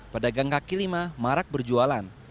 pedagang kaki lima marak berjualan